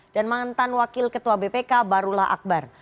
dan mantan wakil ketua bpk barula akbar